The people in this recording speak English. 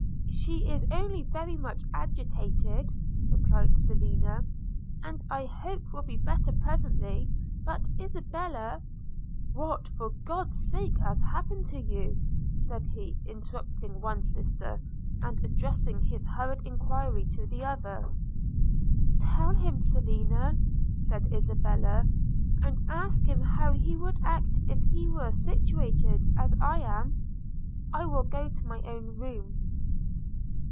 'She is only very much agitated,' replied Selina, 'and I hope will be better presently: but Isabella –' 'What, for God's sake, has happened to you?' said he, interrupting one sister, and addressing his hurried enquiry to the other. 'Tell him, Selina,' said Isabella, 'and ask him how he would act if he were situated as I am? – I will go to my own room.'